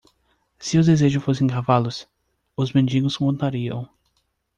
Se os desejos fossem cavalos?, os mendigos montariam.